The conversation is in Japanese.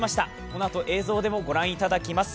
このあと、映像でも御覧いただきます。